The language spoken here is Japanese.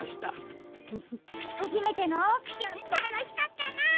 はじめてのオークションたのしかったな！